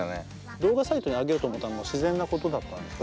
動画サイトにあげようと思ったのは自然なことだったんですか？